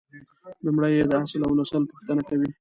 لومړی یې د اصل اونسل پوښتنه کوي.